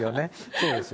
そうです。